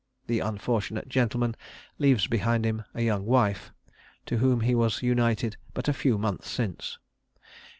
The unfortunate gentleman leaves behind him a young wife, to whom he was united but a few months since.